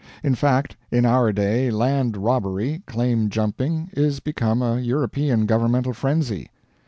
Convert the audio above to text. In fact, in our day land robbery, claim jumping, is become a European governmental frenzy.